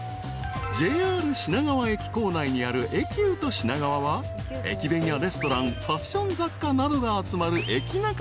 ［ＪＲ品川駅構内にあるエキュート品川は駅弁やレストランファッション雑貨などが集まる駅ナカ